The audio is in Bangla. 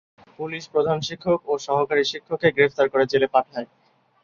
পুলিশ প্রধান শিক্ষক ও সহকারী শিক্ষককে গ্রেফতার করে জেলে পাঠায়।